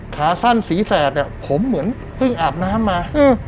ขาสั้นสีแสดผมเหมือนพึ่งอาบน้ำมา